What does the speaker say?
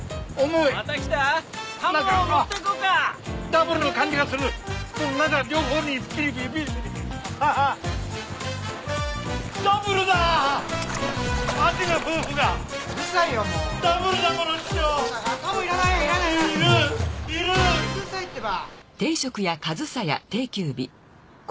うるさいってば。